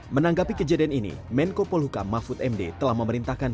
menanggapi kejadian ini menko polohuka mafud md telah memerintahkan